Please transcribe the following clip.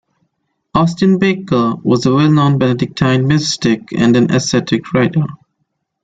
Austin Baker, was a well-known Benedictine mystic and an ascetic writer.